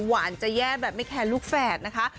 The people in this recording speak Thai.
หวานจะแย่แบบไม่แคร์ลูกแฝดนะคะ